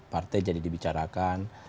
partai jadi dibicarakan